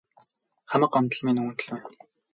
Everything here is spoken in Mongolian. Хамаг гомдол минь үүнд л байна.